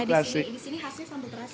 disini khasnya sambal terasi